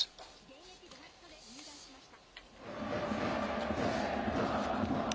現役ドラフトで入団しました。